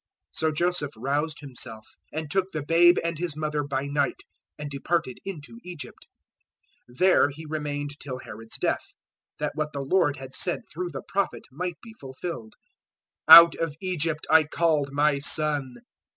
002:014 So Joseph roused himself and took the babe and His mother by night and departed into Egypt. 002:015 There he remained till Herod's death, that what the Lord had said through the Prophet might be fulfilled, "Out of Egypt I called My Son."